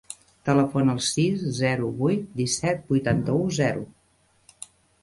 Telefona al sis, zero, vuit, disset, vuitanta-u, zero.